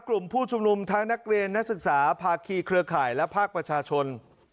กลุ่มผู้ชุมนุมทั้งนักเรียนนักศึกษาภาคีเครือข่ายและภาคประชาชน